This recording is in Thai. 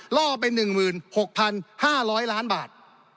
ล่อไป๑๖๕๐๐ล้านบาท